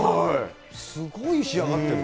すごい仕上がってる。